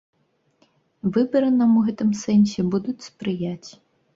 Выбары нам у гэтым сэнсе будуць спрыяць.